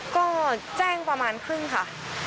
ก็แจ้งประมาณครึ่งค่ะ